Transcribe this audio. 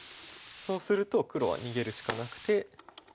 そうすると黒は逃げるしかなくて。